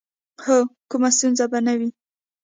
هو، کومه ستونزه به نه وي.